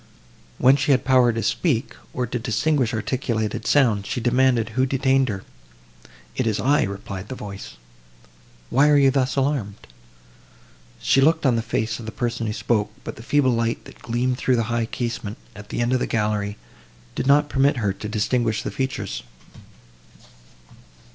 When she had power to speak, or to distinguish articulated sounds, she demanded who detained her. "It is I," replied the voice—"Why are you thus alarmed?" She looked on the face of the person who spoke, but the feeble light, that gleamed through the high casement at the end of the gallery, did not permit her to distinguish the features.